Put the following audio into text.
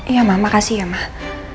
iya mah makasih ya mah